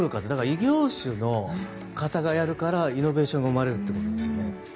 異業種の方がやるからイノベーションが生まれるということなんですね。